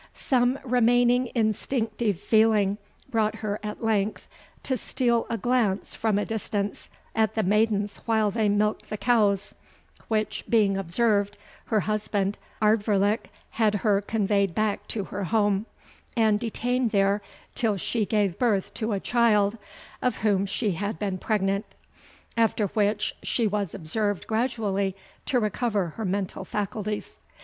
Some remaining instinctive feeling brought her at length to steal a glance from a distance at the maidens while they milked the cows, which being observed, her husband, Ardvoirlich, had her conveyed back to her home, and detained her there till she gave birth to a child, of whom she had been pregnant; after which she was observed gradually to recover her mental faculties.